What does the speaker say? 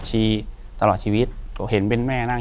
อยู่ที่แม่ศรีวิรัยยิวยวยวลครับ